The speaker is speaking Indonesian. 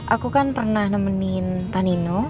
aku kan pernah nemenin tanino